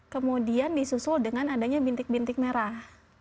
kemudian disusul dengan adanya bintik bintik merah